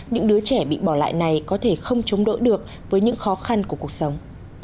những đứa trẻ bị bỏ lại này có thể không chống đỡ được với những khó khăn của cuộc sống